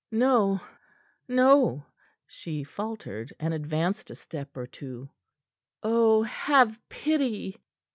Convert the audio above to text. "No, no!" she faltered, and advanced a step or two. "Oh, have pity!"